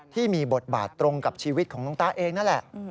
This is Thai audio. ที่มีบทบาทตรงกับชีวิตของน้องตาเองนั่นแหละ